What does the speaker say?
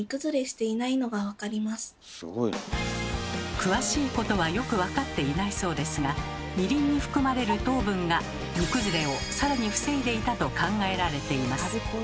詳しいことはよく分かっていないそうですがみりんに含まれる糖分が煮崩れをさらに防いでいたと考えられています。